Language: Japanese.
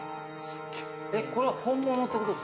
これは本物ってことですか？